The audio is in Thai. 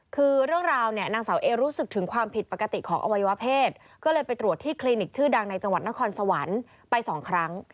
คือเรื่องราวเนี่ยนางสาวเอรู้สึกถึงความผิดปกติของอวัยวะเพศก็เลยไปตรวจที่คลินิกชื่อดังในจังหวัดนครสวรรค์ไปสองครั้ง